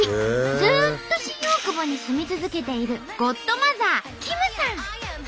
ずっと新大久保に住み続けているゴッドマザー